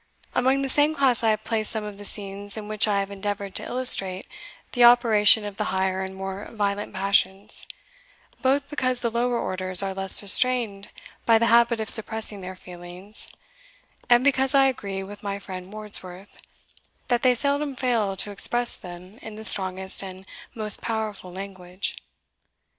Among the same class I have placed some of the scenes in which I have endeavoured to illustrate the operation of the higher and more violent passions; both because the lower orders are less restrained by the habit of suppressing their feelings, and because I agree, with my friend Wordsworth, that they seldom fail to express them in the strongest and most powerful language.